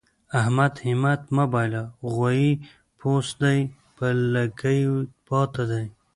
احمده! همت مه بايله؛ غويی پوست دی په لکۍ پاته دی.